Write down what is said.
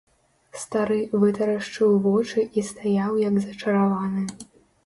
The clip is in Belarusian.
Стары вытарашчыў вочы і стаяў як зачараваны.